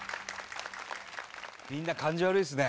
みんな感じ悪いっすね